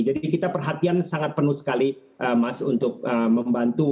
jadi kita perhatian sangat penuh sekali mas untuk membantu wni